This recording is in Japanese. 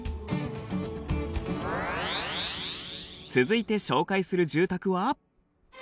続いて紹介する住宅は。